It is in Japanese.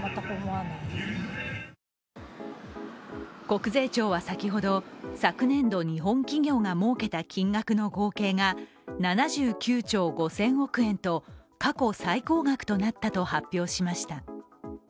国税庁は先ほど、昨年度、日本企業がもうけた金額の合計が７９兆５０００億円と過去最高額となったと発表しました。